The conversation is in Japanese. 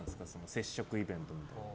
接触イベントみたいな。